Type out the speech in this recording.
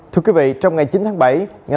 thưa quý vị trong ngày chín tháng bảy